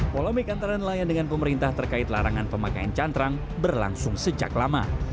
polemik antara nelayan dengan pemerintah terkait larangan pemakaian cantrang berlangsung sejak lama